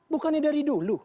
bukannya dari dulu